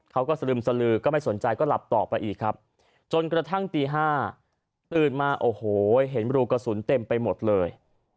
สลึมสลือก็ไม่สนใจก็หลับต่อไปอีกครับจนกระทั่งตี๕ตื่นมาโอ้โหเห็นรูกระสุนเต็มไปหมดเลย